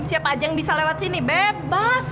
siapa aja yang bisa lewat sini bebas